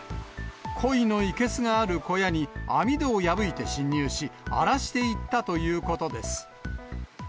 コイの生けすがある小屋に、網戸を破いて侵入し、荒らしていったということです。